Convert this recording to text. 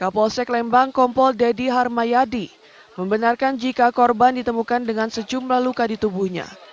kapolsek lembang kompol deddy harmayadi membenarkan jika korban ditemukan dengan sejumlah luka di tubuhnya